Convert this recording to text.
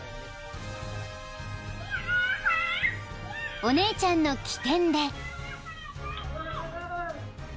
［お姉ちゃんの機転で］